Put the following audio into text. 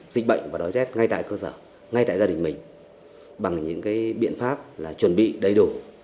dịch bệnh và đói rét ngay tại cơ sở ngay tại gia đình mình bằng những biện pháp là chuẩn bị đầy đủ